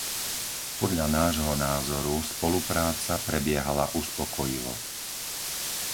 Podľa nášho názoru spolupráca prebiehala uspokojivo.